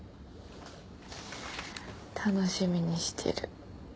楽しみにしてる。